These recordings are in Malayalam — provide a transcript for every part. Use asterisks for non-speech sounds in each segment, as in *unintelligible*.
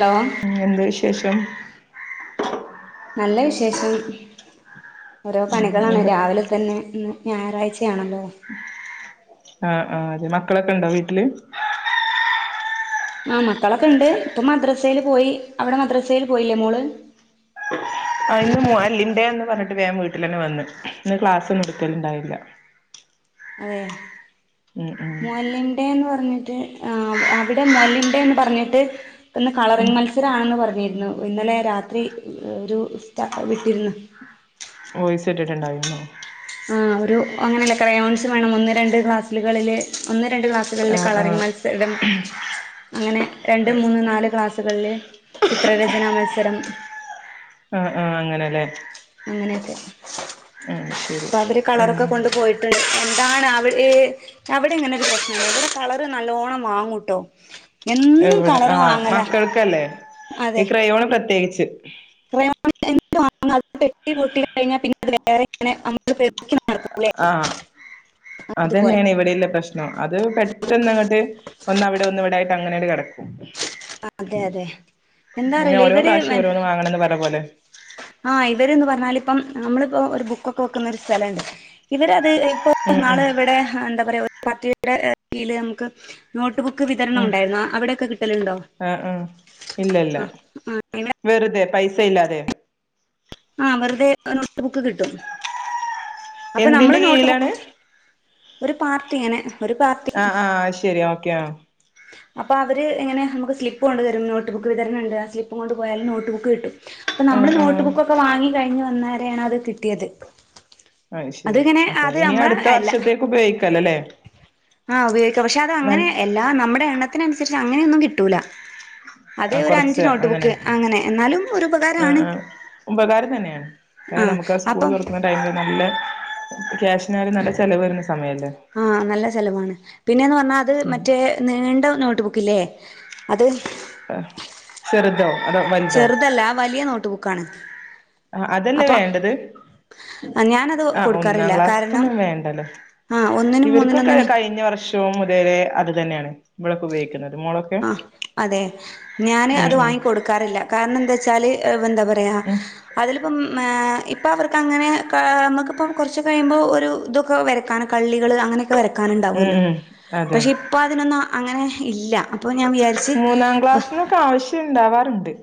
ഹലോ *unintelligible* നല്ല വിശേഷം. ഓരോ ഉം പണികളാണ് എന്താ രാവിലെ തന്നെ. *unintelligible* ആണല്ലോ. ആഹ് ആഹ് മക്കളൊക്കെ ഉണ്ടോ വീട്ടില്? ആഹ് മക്കളൊക്കെ ഉണ്ട് ഇപ്പൊ മദ്രസ്സയിൽ പോയി അവിടെ മദ്രസ്സയിൽ പോയില്ലേ മോള്? ആഹ് ഇന്ന് *unintelligible* ഡേ ആണെന്ന് പറഞ്ഞിട്ട് വേഗം വീട്ടില്ലന്നെ വന്ന് ഇന്ന് ക്ലാസ് ഒന്നും എടുക്കല് ഉണ്ടായില്ല. *unintelligible* ആഹ് അവിടെ *unintelligible* ന്റെ ന്നു പറഞ്ഞിട്ട് ഇന്ന് ഉം കളറിംഗ് മത്സരം ആണെന്ന് പറഞ്ഞ് ഇന്ന് ഇന്നലെ രാത്രി ഒരു ഉസ്ത വിട്ടിരുന്നു. വോയിസ് ഇട്ടിട്ടുണ്ടായി ആഹ് ഒരു അങ്ങനെ ക്രയോൺസ് വേണം ഒന്ന് രണ്ട് ക്ലാസുകളില് ഒന്ന് രണ്ട് ക്ലാസുകളില് ആഹ് കളറിംഗ് ആഹ് മത്സരം അങ്ങനെ രണ്ട് മൂന്ന് നാല് ക്ലാസുകളില് ചിത്രരചന മത്സ ത്സരം. ആഹ് ആഹ് അങ്ങനെ ല്ലേ? അങ്ങനെയൊക്കെ. ശരി രാത്രി കളർ ഒക്കെ ആഹ് കൊണ്ടുപോയിട്ടുണ്ട്. *unintelligible* ഇവിടെ കളർ നല്ലോണം വാങ്ങൂട്ടോ. എന്നും എവിടെ കളറ് ആഹ് വാങ്ങല മക്കൾക്ക് അല്ലേ ഈ അതെ ക്രയോൺ പ്രത്യേകിച്ച് *unintelligible* *unintelligible* നമ്മള് പെറുക്കി നടക്കൂലേ ആഹ് അതുപോലെ അതന്നെണ് ഇവിടെയുള്ള പ്രശ്നം അത് പെട്ടെന്നാണ് അത് ഒന്ന് അവിടെ ഒന്ന് ഇവിടെ ആയി അങ്ങനെ കിടക്കും. അതെ അതെ എന്താന്ന് പിന്നെ അറിയില്ല ഓരോ ഇവര് പ്രാവശ്യം ഓരോന്ന് വാങ്ങണംന്ന് പറഞ്ഞ പോലെ ആഹ് ഇവര്ന്നു പറഞ്ഞാല് ഇപ്പം നമ്മളിപ്പോ ഒരു ബുക്ക് ഒക്കെ വെക്കുന്ന ഒരു സ്ഥലവുണ്ട് ഇവര് അത് ഉം ഉം നാളെ ഇവിടെ എന്താ പറയാ *unintelligible* നമുക്ക് നോട്ട്ബുക്ക് വിതരണം ഉം ഉണ്ടായിരുന്നു അവിടെയൊക്കെ കിട്ടലുണ്ടോ? ആഹ് ആഹ് ഇല്ല ഇല്ല ആഹ് ആഹ് ഇവിടെ വേർ പൈസയില്ലാതെയോ? ആഹ് വെറുതെ നോട്ട്ബുക്ക് കിട്ടും. അപ്പൊ നമ്മള് എന്തിന്റെ നോട്ട് കീഴിലാണ് ബുക്ക് ഒരു പാർട്ടിയാന്നെ ആ ആ അതുശേരി ഓക്കേ അപ്പൊ അവരെ ഇങ്ങനെ സ്ലിപ്പ് തരും നോട്ട്ബുക്ക് വിതരണം ഇണ്ട് ആ സ്ലിപ് കൊണ്ടേ പോയാൽ നോട്ട്ബുക്ക് കിട്ടും ഇപ്പ നമ്മൾ ആഹ് ആഹ് നോട്ട്ബുക്കൊക്കെ വാങ്ങി കഴിഞ്ഞേ വന്ന *unintelligible* അതെ കിട്ടിയത് അത് അതെ ശരി ഇങ്ങനെ അപ്പൊ അതെ ഇനി നമ്മള അടുത്ത അല്ല വർഷത്തേക്ക് ഉപയോഗിക്കാലോ അല്ലേ ആ നൽ ഉപയോഗിക്കം അല്ല നമ്മ എണ്ണത്തിനെ അനുസരിച്ചേ അങ്ങനെ ഒന്നുംകിട്ടൂല ആ കുറച്ചേ അങ്ങനെ എന്നാലും ഒരു ആ ഉപകാരാണ് ആ ഉപകാരംതന്നെയാണ് ആഹ് നമ്മുക്ക് സ്കൂൾ അപ്പം തുറക്കണ ടൈമിൽ നല്ല- കാശിനെയായാലും നല്ല ചിലവ് വാ ആ നല്ല ചിലവയാണ് പിന്നെന്നെ പറ അതെ ഉം മറ്റേ നീണ്ട നോ നോട്ട്ബുക്ക് ഇല്ലേ അതെ ഹ ചെറുതോ അതോ വലുതോ ചെറുതല്ല വലിയ നോട്ട്ബു ബുക്ക്‌ ആണ് ആ അതെയല്ലേ വേണ്ടത് ഞാനത് ആ ഒന്നാം കൊടുക്കാറില്ല ക്ലാസ്സൊക്കെ കാരണം ഒന്നുംവേണ്ടല്ലോ ആഹ് ഒന്നിനും മൂന്നിനൊന്നും ഇവർക്കെയൊക്കെ കഴിഞ്ഞ വർഷം *unintelligible* അതെ അങ്ങനെ തന്നെ ഇവിടെയൊക്കെ ഉപയോഗിക്കാറ് ആ അതെ ഞാൻ ഉം അതെ ഉം വാങ്ങികൊടുക്കാറില്ല കാരണമെന്തേച്ചല്ലേ എന്താ പ യാം ഉം അതില്ലേ ഇപ്പൊ മ ഇപ്പൊ അങ്ങനെ ക കുറച്ചേ കഴിയുപോലെ ഒരു *unintelligible* വരും കള്ളികൾ അങ്ങനെ വരക്കാൻ ഉം ഉണ്ടാവുല്ലോ ഉം അതെ ഇപ്പൊ അതിനൊന്നും അങ്ങനെ ഇല്ല അപ്പൊ ഞാൻ മൂന്നാം വിചാരിച്ച് ക്ലാസ്സിലെ ആവിശ്യം ഉണ്ടാവാറുണ്ട്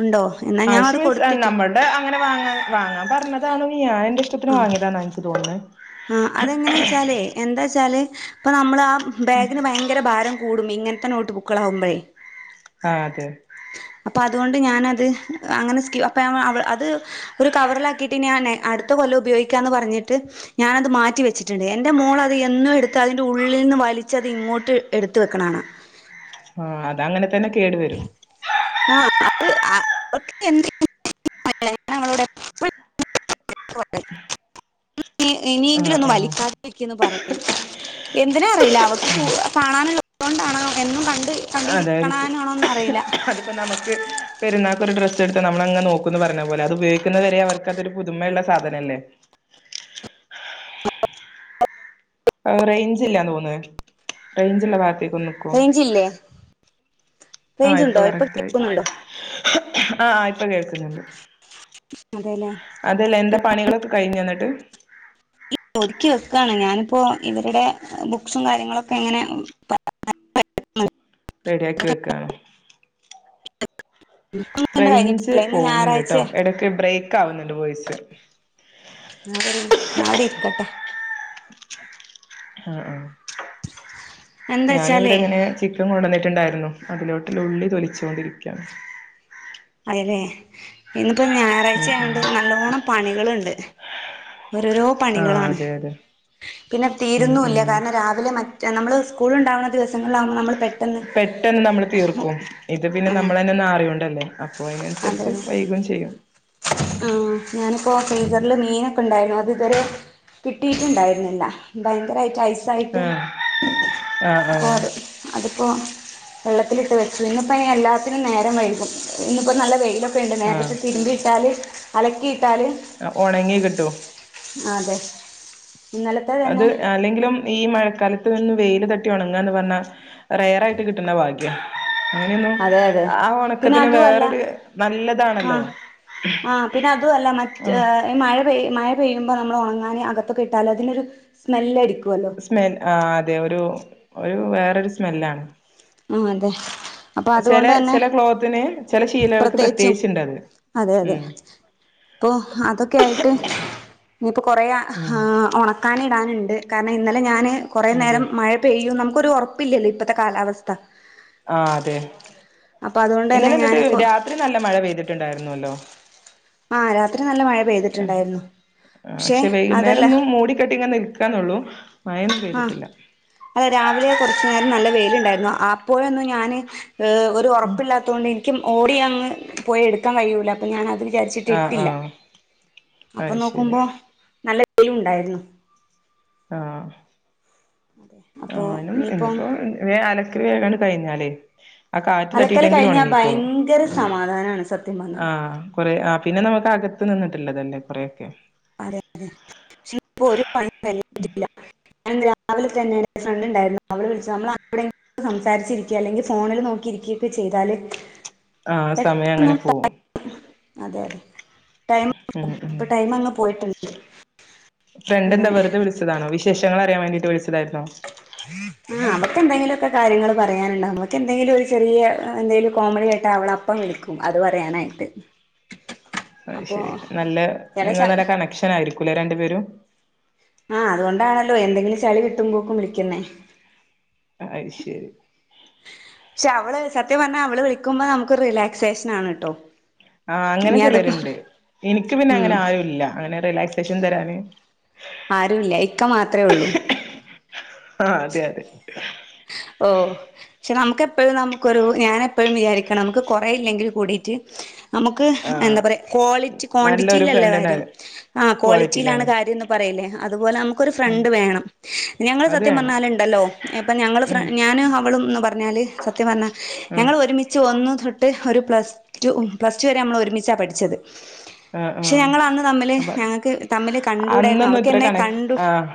ഉണ്ടോ എന്നാ ഞാൻ അത് ആവിശ്യം മീൻസ് കൊടുത്തിട്ട് നമ്മളോട അങ്ങനെ വാങ്ങൻ പറഞ്ഞതാണ് പറഞ്ഞതന്നേനെ ഞ *unintelligible* വാങ്ങിയതന്നെന്നെ എനിക്ക് തോന്നുന്നേ ആ അതെ എങ്ങനെവെച്ചല് എന്താവെച്ചല് ഇപ്പൊ നമ്മളെ ആ ബാഗിനെ ഭയങ്കര ഭാരം കുടും ഇങ്ങനെ തെ നോട്ട്ബുക്കുകൾ ആകുമ്പോൾ ആ അത് അതുകൊണ്ട് ഞാൻ അതെ അങ്ങനെ അപ്പൊ അത് ഒരു കവറില് ആക്കിയിട്ട ഞൻ അടുത്ത കൊലം ഉപയോഗിക്കാനെ പറഞ്ഞിട്ട് ഞാൻ അതെ മാറ്റിവെച് ണ്ട് എന്റെ മോള് അത് എന്നും എടു ത്തതിന്റെ ഉള്ളിന്ന് വലിച്ച ഇങ്ങോട്ട് എടുത്തു വെക്കുന്നത് കാണാം ആ അതങ്ങനെ തന്നെ കേട് വരും *unintelligible* ആ ഇനിയെങ്കിലും ഒന്ന് ആ വലിക്കാതിരിക്ക് പറയും എന്തിനാ അറിയില്ല കു അവക്ക് കാണാൻ കൊണ്ടാണോ എന്നും കൺ അതാരിക്കും നമക്ക് പെരുന്നാക്ക് ഒര് ഡ്രസ്സ്‌ എടുത്താ നമ്മള് അങ്ങ് നോക്കും പറഞ്ഞപോലെ അത് ഉപയോഗിന്നത് വരെ അവർക്ക് അത് ഒരു പുതുമയുള്ള സാധനല്ലെ റെയിഞ്ചില്ലന്ന് തോന്ന് റെയിഞ്ചുള്ള ഭാഗ ത്തു നിൽക്കൂ ഐക്കൊന്ന് നിക്കുവോ റേഞ്ചില്ലേ ആ റേഞ്ച് ഇപ്പ ഉണ്ടോ ഇപ്പൊ കറക്റ്റ് ആയി കേൾക്കുന്നുണ്ടോ ആ ഇപ്പോ കേൾക്കുന്നുണ്ട് അതെല്ലേ അതല്ല എന്താ പണികളൊക്കെ കഴിഞ്ഞോ എന്നിട്ട് ഹ് ഒതുക്കി വെക്കാണ് ഞാനിപ്പോ ഇവര്ടെ ബുക്ക്സും കാര്യങ്ങളൊക്കെ ഇങ്ങനെ *unintelligible* റെഡിയാക്കി വെക്കാണ് ന്ന് പണിയൊന്നും റേഞ്ച് കഴിഞ്ഞിട്ടില്ല ഇന്ന് പോകുന്നുണ്ട് ട്ടോ ഞാറാഴ്ച്ചായാ ഇടക്ക് ബ്രേക്ക് ആവുന്നുണ്ട് വോയിസ് ന്നാ അവിടെ ഇരിക്കട്ടെ ആഹ് ആ ആ എന്താ ഞാൻ ഇവിടെ വെച്ചാലേ ഇങ്ങനെ ചിക്കൻ കൊണ്ട്ന്നി ണ്ടാരുന്നു അതിലോട്ട്ള്ള ഉള്ളി തൊലിച്ചോണ്ടിരിക്കയാണ് അയിനെ ഇന്ന് പ്പം ഉം ഞയറാഴ്ച്ച ഉം ആയകൊണ്ട് നല്ലോണം പണികള്ണ്ട് ഓരോരൊ ആഹ് പണികളാണ് അതെ അതെ പിന്നെ ഉം തീരുന്നുല്ല ഉം കാരണം രാവിലെ മറ്റേ നമ്മള് കൂളോണ്ടാവുന്ന ദിവസങ്ങളിലാകുമ്പോ നമ്മള് പെട്ടന്ന് നമ്മള് തീർക്കും ഇത് പിന്നെ നമ്മള് തന്നെ ഒന്ന് ആറികൊണ്ടല്ലേ അതന്നെ ആഹ് ഞാനിപ്പോ ഫ്രീസറില് മീൻ ഒക്കെ ഒണ്ടായിരുന്നു അത് ഇതുവരെ കിട്ടിട്ടിണ്ടായിരുന്നില്ല ഭയങ്കരായിട്ട് ഐസ് ആഹ് ഹാ ഹാ പ്പൊ വെള്ളത്തിൽ ഇട്ടുവെച്ചു ഇന്നിപ്പ എല്ലാത്തിനും നേരം വൈകും ഇന്നിപ്പോ നല്ല വെയിലൊക്കെണ്ട് നേരത്തെ തിരുമ്പി ഇട്ടാല് അലക്കിയിട്ടാല് ഒണങ്ങികിട്ടും അതെ ഇന്നലത്തെ അത് തന്നെ അല്ലെങ്കിലും ഈ മഴക്കാല ത്ത് വെയില് തട്ടി ഒണങ്ങുവാന്ന് പറഞ്ഞാ റെയറായിട്ട് കിട്ടുന്ന ഭാഗ്യ അങ്ങനെയൊന്നും അതെ അതെ ആ പിന്നെ ഒണക്കത്തിന് അതും അല്ല വേറൊരു ആ നല്ലതാണല്ലോ ആ പിന്നെ അതും അല്ല മറ്റേ ഉം മഴപെ മഴപെയ്യു പ്പം നമ്മള് ഒണങ്ങാന് അകത്തൊക്കെ ഇട്ടാല് അതിന് ഒര് സ്മെൽ അടിക്കും സ്മെൽ അതെ ഒരു ഒരു വേറൊരു സ്മെല്ലാണ് മ് അതെ അപ്പോ ചെല അതുകൊണ്ടന്നെ ചെല ക്ലോത്തിന് ചെല ശീലകൾക്ക് പ്രത്യേകിച്ചും പ്രത്യേകിച്ചുണ്ടത് അതെയതെ ഉം ഇപ്പോ അതൊക്കെയായിട്ട് ഇനിയിപ്പോ കൊറയെ ഉം ആഹ് ഒണക്കാനിടാനുണ്ട് കാരണം ഇന്നലെ ഞാന് കൊറേ അതെ നേരം മഴ പെയ്യും നമു ഒരു ഉറപ്പില്ലാലോ ഇപ്പോത്തെ കാലാവസ്ഥ ആഅതെ അപ്പൊ അതുകൊണ്ട് തന്നെ ഇന്നലെന്നിട്ട് ഞാന് കൊ രാത്രി നല്ല മഴ പെയ്തിട്ടു ട്ടുണ്ടായിരുന്നുലോ ആഹ് രാത്രി നല്ല മഴ ആ പെയ്തിട്ടുണ്ടായിരുന്നു പക്ഷെ വൈകുന്നേരൊന്നും മൂടിക്കെട്ടി ഇങ്ങനെ നിക്കാന്നേള്ളൂ ആഹ് അതെ രാവിലെ കൊറച്ച് നേരം നല്ല വെയിലുണ്ടായിരുന്നു ആ പോയൊന്ന് ഞാന് ഒരു ഉം ഉറപ്പില്ലാത്തുകൊണ്ട് ഓടിയങ്ങ് പോയി എടുക്കാൻ കഴിയൂല അപ്പ ഞാൻ അത് ആഹ് വിചാരിച്ചിട്ടിട്ടില്ല ആഹ് അത് ശരി അപ്പനോക്കുമ്പോ നല്ല ഇതിലുണ്ടായിരുന്നു ആഹ് അപ്പോ ഞാനും ഇനിയിപ്പം ഇനിയിപ്പോ *unintelligible* *unintelligible* കഴിഞ്ഞാലേ ആ കാറ്റ് അലക്കല് തട്ടിയിട്ടെങ്കിലും കഴിഞ്ഞാ ഉണങ്ങിക്കോളും ഭയങ്കര സമാധാനാണ് സത്യം പറഞ്ഞാ ആഹ് കൊറേ ആ പിന്നെ നമുക്ക് അക നിന്നിട്ടുള്ളതല്ലേ കൊറെയൊക്കെ അതെ അതെ *unintelligible* ഒരു പണിയും *unintelligible* ഞാൻ രാവിലെ തന്നെ ഫ്രണ്ട് ഇണ്ടായിരുന്നു അവള് വിളിച്ചു നമ്മള് അങ്ങടും ഇങ്ങടും സംസാരിച്ചിരിക്യ അല്ലെങ്കിൽ ഫോണിൽ നോക്കിയിരിക്യ ഒക്കെ ചെയ്‌താൽ ആ സമയം അങ്ങനെ പോകും അതെ ടൈം മ് മ് ഇപ്പൊ ടൈം അങ്ങ് പോയിട്ടുണ്ട് ഫ്രണ്ട് എന്താ അങ്ങനെ വെറുതെ വിളിച്ചതാണോ വിശേഷങ്ങ അറിയാൻ വേണ്ടിട്ട് വിളിച്ചതായിരുന്നോ അവൾക്ക് എന്തെങ്കിലൊക്കെ കാര്യങ്ങൾ പറയാനിണ്ടാവും അവൾക്ക് എന്തെങ്കിലും ഒരു ചെറിയ എന്തെങ്കിലും കോമഡി കേട്ട അവൾ അപ്പോ വിളിക്കും അത് പറയാനായിട്ട് അപ്പൊ അയ്ശെരി നല്ല ചില സ നിങ്ങള് നല്ല കണക്ഷനായിരിക്കും ക്കൂലെ രണ്ടുപേരും ആ അതുകൊണ്ടാണല്ലോ എന്തെങ്കിലും ചളി കിട്ടുമ്പോക്കും വിളിക്കുന്നെ അയ്ശെരി പക്ഷെ അവള് സത്യം പറഞ്ഞാ അവള് വിളിക്കുമ്പോ നമുക്കൊരു റീലാക്സിയേഷൻ ആണ് ട്ടോ ആ അങ്ങനെ ചിലരിണ്ട് ഇനിക്ക് പിന്നെ ഉം അങ്ങനെ ആരുമില്ല അങ്ങനെ റീലാക്സിയേഷൻ തരാന് ആരുല്ലാ ഇക്കാ മാത്രേയെള്ളു ആഹ് അതെ അതെ ഓ ശെ നമ്മക്ക് എപ്പഴ് നമ്മക്ക് ഒരു ഞാ എപ്പഴും വിചാരിക്കണ നമ്മക്ക് കൊറേ യില്ലാങ്കിലും കൂടിറ്റ് നമ്മക്ക് ആഹ് എന്താ പറയാ കോളി നല്ലൊരു കോണ്ടിറ്റില്ലാ ഫ്രണ്ട് കാര്യം ഉണ്ടായി ആ കോളിറ്റിലാണ് ക്വാളിറ്റിയിലാണ് കാര്യയോന്ന് പറയില്ലോ ദ് ഒര് ഉം ഫ്രണ്ട് വേണം ഞങ്ങള് അത് സത്യം വേണം പറഞ്ഞാലെണ്ടാല്ലോ എ ഞങ്ങള് ഉം ഫ്രണ്ട് ഞാന് അവളുംയെന്ന് പറഞ്ഞാല് സത്യം പറഞ്ഞാ ആഹ് ഞങ്ങള് ഒര്മീച്ചാ ഒന്ന് ത്തെട്ട് ഒരു പ്ലസ് ടൂ പ്ലസ്ടൂ വെരേ നമ്മള് ഒര്മിച്ചാ പഠിച്ചാത് ആഹ് ശെ ആഹ് ഞങ്ങള് അന്ന് തമ്മില് അപ്പ ഞങ്ങക്ക് തമ്മില് കണ്ടുടാര്ന്ന് അന്നൊന്നും അവക്ക് ഇത്ര എന്നോ കണക് കണ്ടു ആഹ്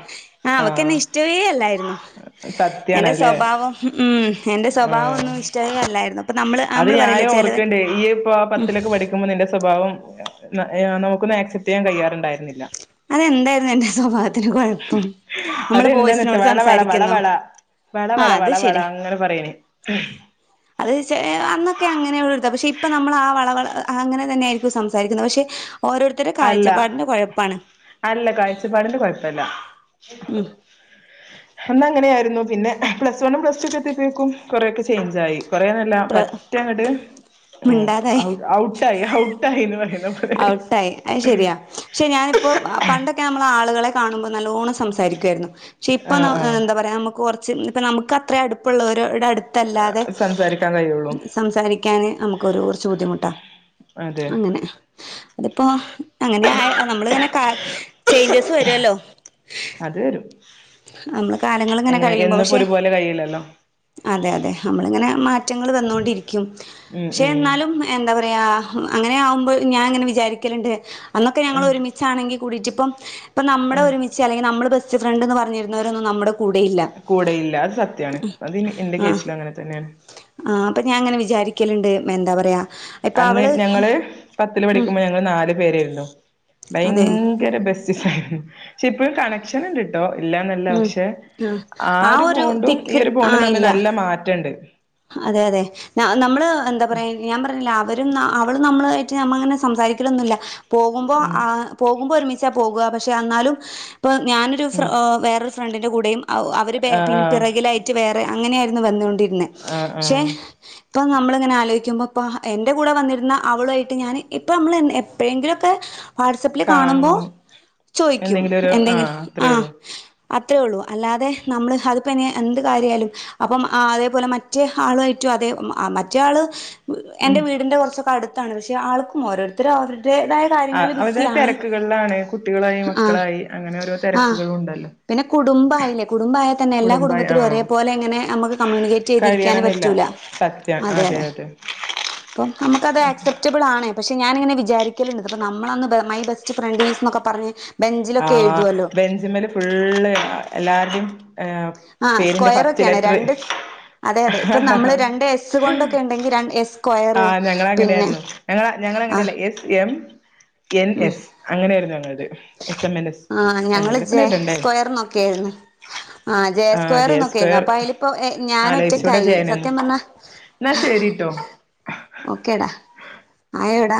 ആ അവക്ക് ആഹ് എന്നെ ഇഷ്ടാവോ അല്ലാരുന്നു യാണലോ ആാ സ്വഭാവം ഒന്നും ഇഷ്ടവേ അല്ലായിരുന്നു അപ്പൊ നമ്മള് അത് നമ്മള് പറയില്ലേ ഞാനും ചെലവൻ ഒർക്കോണ്ടേ നീ ഇപ്പേ ഉം പത്തിലേക്കേ പഠിക്ക്മ്പോ നിൻ്റെ സോഭവം ന നമ്മക്ക് ഒന്നും അക്‌സെപ്റ് ചെയ്യാൻ കഴിയാറെണ്ടാര്ന്നില്ലാ അത് എന്താര്ന്ന് എൻ്റെ സോഭാവത്തിന് കൊഴപ്പം നമ്മള് അതെന്താന്ന് വെച്ചാ ബോയിസിനോട് വള വള വള സംസാരിക്ക്ന്നോ വള വള വള അത് വള വള ശെരി അങ്ങനെ പറയണേ അത് ശെ അന്നോക്കെ അങ്ങനെ ഒള്ളാതാ പശെ ഇ ഇപ്പാ നമ്മളാ വള വള ആ അങ്ങനെ തന്നെയിരിക്കും സംസാരിക്കന്നോ പശെ ഓരേര്ത്താരെ കാഴാചപ്പാടിൻ്റെ കൊഴപ്പാണ് അല്ലാ കാഴ്ചപിടിൻ്റെ കൊഴപ്പാല്ലാ ഉം അന്ന് അങ്ങനെ ആര്ന്നു പിന്നെ പ്ലസ് വൺ, പ്ലസ് ടു ഒക്കെ എത്തിയ പ്പയേക്കും കൊറെക്കെ ചേഞ്ച്‌ ആയി കൊറെന്നാല്ലാ പറ്റെങ്ങട്ട് ഉം മിണ്ടാതായി ഔട്ട് ഔട്ടിയിയെന്ന് പറ ഔട്ടായി അത് ശെരിയാ ഷെ ഞാനിപ്പോ ആ പണ്ടോക്കെ നമ്മള് ആള്കളെ കാണുമ്പോ നല്ലോണം സംസാരിക്കോയിരുന്നു ചി ഇപ്പോ ആഹ് നമ ആഹ് എന്താ പറയാ നമ്മക്ക്‌ കൊറ ച്ച് നമുക്ക് അത്രേം അടുപ്പള്ളോര് ടേ അട്ത്താല്ലതെ സംസാരിക്കാൻ കഴിയുള്ളൂ സംസാരിക്കാന് നമ്മക്ക് ഒര് കൊറച്ച് ബുദ്ധിമുട്ട അതെ അങ്ങനെ *unintelligible* അതിപ്പേ അങ്ങനെ ആയ നമ്മള് കാര ചെയ്ഞ്ജസ് വെര് വെല്ലോ അത് വരും നമ്മള് കാലങ്ങള് ഇങ്ങനെ എങ്ങനെ കഴിമ്പോ എന്നുപ്പോ പശെ ഒരുപോലെ കഴിയില്ലല്ലോ അതെ അതെ നമ്മള് ഇങ്ങനെ മാറ്റങ്ങള് വന്നോണ്ടിരിക്കും ഉം ശെ ഉം എന്നാലും എന്താ പറ റയാ അങ്ങനെ ആവുമ്പോ ഞാൻ അങ്ങനെ വിചാരിക്കാലെണ്ട് അന്നോക്കെ ഞങ്ങള് ഉം ഒരിമിച്ചാണെങ്കി കുടിറ്റിപ്പം ഇപ്പ നമ്മടെ ഉം ഒരുമിച്ച് അല്ലെങ്കിൽ നമ്മള് ബസ് ബെസ്റ്റ് ഫ്രണ്ട്ന് പറ ഞ്ഞിരുന്നോരോന്നും നമ്മുടെ കൂടെയില്ല അത് സത്യാണ് അത് ഇനി ഇൻ്റെ കേസിലു അങ്ങനെതന്നെയാണ് ഇപ്പ ഞാനിങ്ങനെ വിചാരിക്കലുണ്ട് എ എന്താ പറയാ ഇപ്പൊ അന്ന് അവള് ഞങ്ങൾ പത്തിൽ ഉം പഠിക്കുമ്പോ ഞങ്ങള് നാലു പേരായിരുന്നു അതെ ഭയങ്കര ബെസ്റ്റ് ഫ്രണ്ട് ഹ് ഹ് ഷെ ഇപ്പ പ്പഴും കണക്ഷൻ ഉണ്ട്ട്ടോ ഇല്ലന്നല്ല ഉം പക്ഷെ ആ ഒരു ബോണ്ടും ഈ ഒരു ബോണ്ടും തമ്മിൽ നല്ല മാറ്റണ്ട് അതേ അതേ നമ്മൾ എന്താ പറയാ ഞാൻ പറഞ്ഞില്ലേ അവര് ഉം അവൾ നമ്മളുമായിട്ട് ഞമ്മ അങ്ങനെ സംസാരിക്കലൊന്നുല്ല രു പോകുമ്പോ ഉം ആ പോകുമ്പോ ഒരുമി ച്ച പോകാ പക്ഷേ അന്നാലും പ്പ ഞാനൊരു ഫ്ര ഉം ഓ വേറൊരു ഫ്രണ്ടിൻ്റെ കൂടെയും അവ അവര് ബേ ആഹ് പിൻ ആഹ് പിറകിലായിട്ട് വേറെ അങ്ങനെയായിരുന്നു വന്നുകൊണ്ടിരുന്നേ ആ ആ ഇപ്പ നമ്മളിങ്ങനെ ആലോയിക്കുമ്പോ ഇപ്പ എൻ്റെ കൂടെ വന്നിരുന്ന അവളുമായിട്ട് ഞാന് ഇപ്പ ഞമ്മൾ എൻ എപ്പോഴെങ്കിലൊക്കെ വാട്സാപ്പിൽ കാണുമ്പോ ചോയ്ക്കും എന്തെങ്കിലും ഒരു എന്തിങ്ങ് ആഹ് ആ അത്രേ ഉള്ളൂ അത്രേ ഉള്ളൂ അല്ലാതെ നമ്മൾ അൽ പിന്നെ എന്ത് കാര്യയാലും അപ്പം ആ അതേപോലെ മറ്റ് റ്റെ ആളുമായിറ്റും അതേ ഉം ആ മറ്റേ ആള് എൻ്റെ ഉം വീടിൻ്റെകുറച്ചൊക്കെ അടുത്ത് ത്താണ് പക്ഷെ ആൾക്കും ഓരോരുത്തരെ ഒരോത്ത രെതയാ ആഹ് കാര്യങ്ങളിൽ അവരുടെ ബിസിയാണ് തിരക്കുകളിലാണ് കുട്ടികളായി ആ മക്കളായി അങ്ങനെ ഓരോ ആ തിരക്കുകളും ഉണ്ടല്ലോ പിന്നെ കുടുംബയില്ലേ കൂടുമ്പായ തന്നെ എല്ലാ കുടുംബായി കുടുംബത്തിലും ആഹ് ഒരേ പോലെ ഇങ്ങനെ ഞമ്മക്ക് കമ്യൂണിക്കേറ്റ് ചെയ്തിരിക്ക ക്കാൻ കഴിയണന്നില്ല പറ്റുല സത്യം അതേ അതെ അതേ അതെ പ്പം നമുക്ക് അത് എക്സ്പ്റ്റബിൾ ആണ് പക്ഷേ ഞാനിങ്ങനെ വിചാരിക്കലുണ്ട് ഇതിപ്പ നമ്മളന്ന് മൈ ബെസ്റ്റ് ഫ്രെണ്ടീസ് എന്നൊക്കെ പറഞ്ഞ് അ ബെഞ്ചിലൊക്കെ എഴുതുമല്ലോ ബെഞ്ചി മ്മല് ഫുള്ളും എല്ലാരുടെ അ'സ്ക്വയറൊക്കെയാണ് രണ്ട് അതെ അതെ ഇപ്പ നമ്മള് രണ്ട് യെസ്സ് കൊണ്ടെക്കെണ്ടെങ്കിൽ യെസ് ആ ഞങ്ങളങ്ങനെയായിരുന്നു ഞങ്ങള ഞങ്ങള ആഹ് അങ്ങനെയല്ല എസ് എം എൻ ഉം എസ് അങ്ങനെയായിരുന്നു ഞങ്ങളത് എസ് എം എൻ എസ് ആഹ ഞങ്ങള് എന്തെങ്കിലൊക്കെ ജെ ഇടണ്ടേ സ്ക്വയർന്നൊക്കൊയായിരുന്നു ആ ജെ ആഹ് സ്ക്വയർന്നൊക്കൊയായിരുന്നു സ്ക്വയർ അപ്പൊ അയിലിപ്പോ ഞാൻ ആലോചിച്ചൂടെ ഒറ്റക്കായി ജയനൊന്നും സത്യം പറഞ്ഞാ എന്നാ ശരിട്ടോ ഹ ഓക്കേടാ ആയോടാ